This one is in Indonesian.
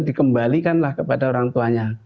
dikembalikanlah kepada orang tuanya